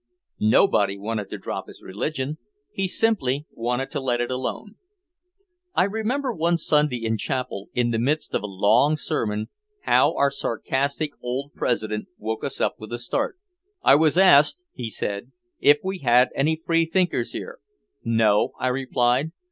Nobody wanted to drop his religion, he simply wanted to let it alone. I remember one Sunday in chapel, in the midst of a long sermon, how our sarcastic old president woke us up with a start. "I was asked," he said, "if we had any free thinkers here. 'No,' I replied.